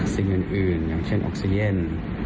สิ่งอื่นอย่างเช่นออกซีเย็น